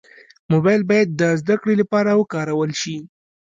موبایل باید د زدهکړې لپاره وکارول شي.